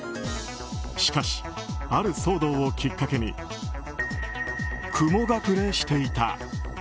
しかし、ある騒動をきっかけに雲隠れしていた。